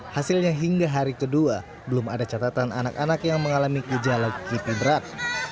hasilnya hingga hari kedua belum ada catatan anak anak yang mengalami gejala kipi berat